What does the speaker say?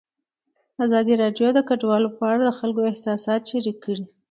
ازادي راډیو د کډوال په اړه د خلکو احساسات شریک کړي.